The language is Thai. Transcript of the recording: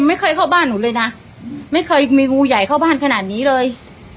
ไม่เคยเข้าบ้านหนูเลยนะไม่เคยมีงูใหญ่เข้าบ้านขนาดนี้เลย